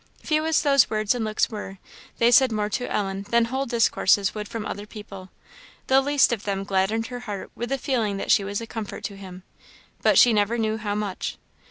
Few as those words and looks were, they said more to Ellen than whole discourses would from other people: the least of them gladdened her heart with the feeling that she was a comfort to him. But she never knew how much.